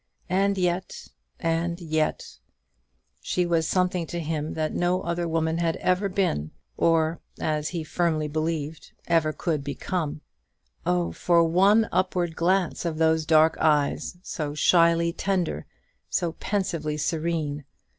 And yet, and yet she was something to him that no other woman had ever been, or, as he firmly believed, ever could become. Oh, for one upward glance of those dark eyes, so shyly tender, so pensively serene!